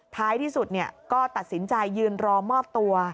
ท้ายที่สุดก็ตัดสินใจยืนรอมอบตัว